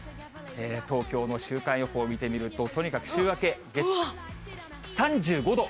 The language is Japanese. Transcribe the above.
東京の週間予報見てみると、とにかく週明け、月、３５度。